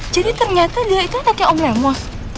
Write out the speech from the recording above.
jadi ternyata dia itu anaknya om lemos